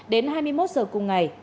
đến hai mươi một h cùng ngày